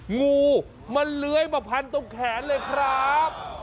งูมันเลื้อยมาพันตรงแขนเลยครับ